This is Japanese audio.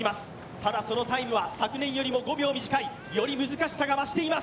ただ、そのタイムは昨年よりも５秒短い。より難しさが増しています。